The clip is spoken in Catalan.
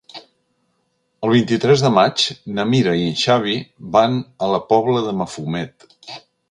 El vint-i-tres de maig na Mira i en Xavi van a la Pobla de Mafumet.